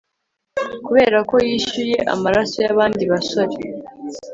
Kuberako yishyuye amaraso yabandi basore